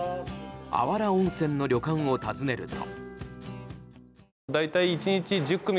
あわら温泉の旅館を訪ねると。